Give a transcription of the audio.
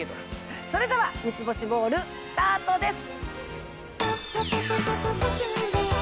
それでは『三ツ星モール』スタートです。